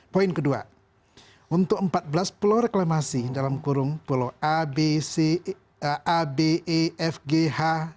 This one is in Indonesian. poin kedua untuk empat belas pulau reklamasi dalam kurung pulau a b c a b e f g h